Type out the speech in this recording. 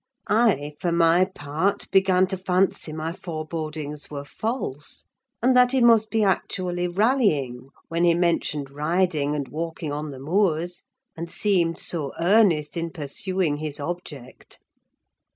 I, for my part, began to fancy my forebodings were false, and that he must be actually rallying, when he mentioned riding and walking on the moors, and seemed so earnest in pursuing his object.